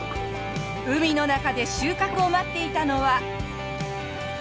海の中で収穫を待っていたのは。